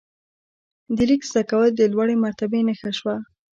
د لیک زده کول د لوړې مرتبې نښه شوه.